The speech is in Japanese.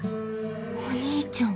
お兄ちゃん。